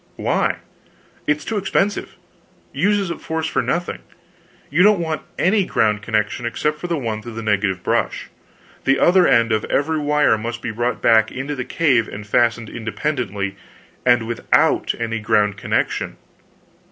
"Why?" "It's too expensive uses up force for nothing. You don't want any ground connection except the one through the negative brush. The other end of every wire must be brought back into the cave and fastened independently, and without any ground connection.